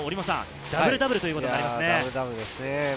ダブルダブルということですね。